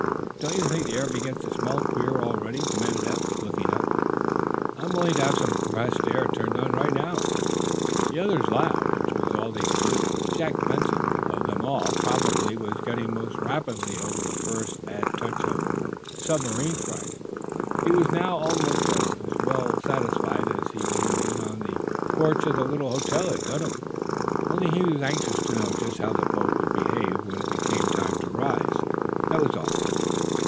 "Don't you think the air begins to smell queer already?" demanded Eph, looking up. "I'm willing to have some compressed air turned on right now." The others laughed, which was all they could do. Jack Benson, of them all, probably, was getting most rapidly over the first bad touch of "submarine fright." He was now almost as well satisfied as he would have been on the porch of the little hotel at Dunhaven. Only he was anxious to know just how the boat would behave when it became time to rise. That was all.